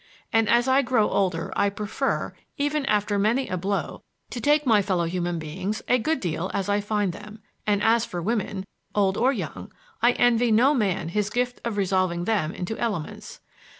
And as I grow older I prefer, even after many a blow, to take my fellow human beings a good deal as I find them. And as for women, old or young, I envy no man his gift of resolving them into elements.